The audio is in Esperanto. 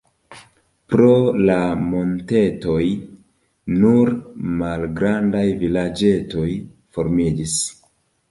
Pro la montetoj nur malgrandaj vilaĝetoj formiĝis.